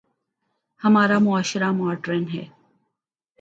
ہمارا معاشرہ ماڈرن ہے۔